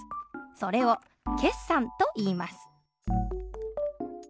それを決算といいます。